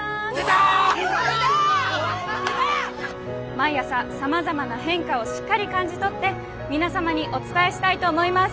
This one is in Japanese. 毎朝さまざまな変化をしっかり感じ取って皆様にお伝えしたいと思います。